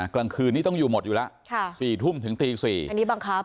กลางคืนนี้ต้องอยู่หมดอยู่แล้ว๔ทุ่มถึงตี๔อันนี้บังคับ